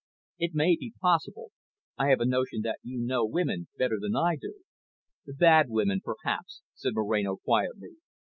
"It may be possible. I have a notion that you know women better than I do." "Bad women perhaps," said Moreno quietly.